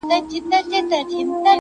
• خدايه ته لوی يې.